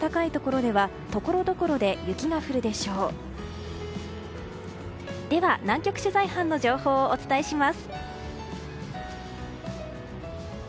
では、南極取材班の情報をお伝えします。